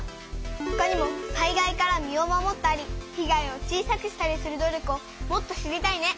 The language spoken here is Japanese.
ほかにも災害から身を守ったり被害を小さくしたりする努力をもっと知りたいね！